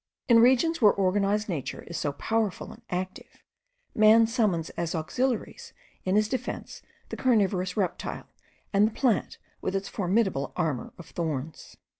In regions where organized nature is so powerful and active, man summons as auxiliaries in his defence the carnivorous reptile, and the plant with its formidable armour of thorns.